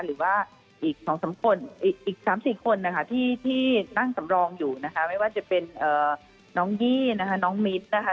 หรือว่าอีก๒๓คนอีก๓๔คนนะคะที่นั่งสำรองอยู่นะคะไม่ว่าจะเป็นน้องยี่นะคะน้องมิตรนะคะ